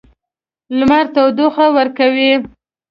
لمر تودوخه ورکوي.